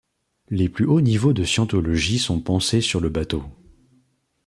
Les plus hauts niveaux de Scientologie sont pensés sur le bateau.